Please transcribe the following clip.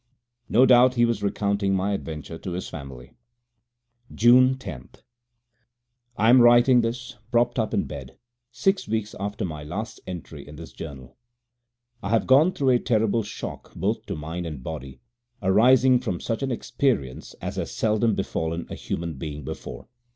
No doubt he was recounting my adventure to his family. < 13 > June 10. I am writing this, propped up in bed, six weeks after my last entry in this journal. I have gone through a terrible shock both to mind and body, arising from such an experience as has seldom befallen a human being before.